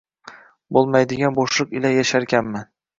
Bo‘lmaydigan bo‘shliq ila yasharkanman.